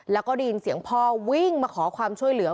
แล้วก็ได้ยินเสียงพ่อวิ่งมาขอความช่วยเหลือ